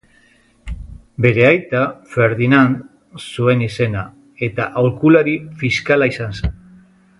Bere aita Ferdinand zuen izena eta aholkulari fiskala izan zen.